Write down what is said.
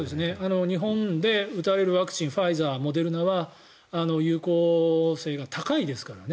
日本で打たれるワクチンファイザー、モデルナは有効性が高いですからね。